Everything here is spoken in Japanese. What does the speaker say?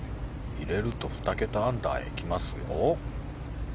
入れると２桁アンダー行きますよ。